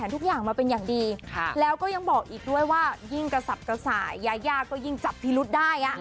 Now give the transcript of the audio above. ทุกอย่างมาเป็นอย่างดีแล้วก็ยังบอกอีกด้วยว่ายิ่งกระสับกระส่ายยายาก็ยิ่งจับพิรุษได้